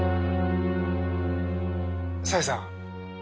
紗絵さん。